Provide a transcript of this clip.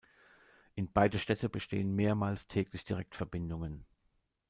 In beide Städte bestehen mehrmals täglich Direktverbindungen.